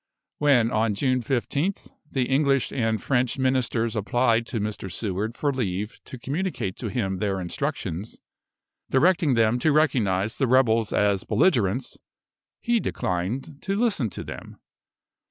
When, on June 15th, the English and French ministers applied to Mr. Seward for leave to communicate to him their instructions, directing them to recognise the rebels as belligerents, he declined to listen to them.